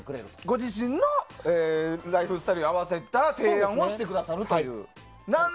ご自身のライフスタイルに合わせた提案をしてくださると。